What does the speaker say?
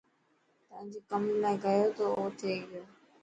تا جي ڪم لاءِ گيو ٿو او ٿي گيو.